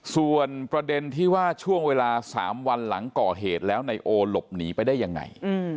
ส่วนประเด็นที่ว่าช่วงเวลา๓วันหลังก่อเหตุแล้วนายโอหลบหนีไปได้ยังไง